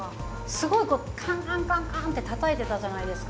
すごいこうカンカンカンカンってたたいてたじゃないですか。